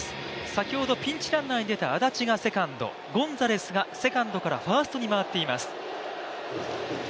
先ほどピンチランナーに出た安達がセカンド、ゴンザレスがセカンドからファーストに回っています。